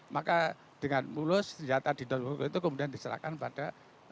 maka dengan mulus senjata di darwoko itu kemudian diserahkan pada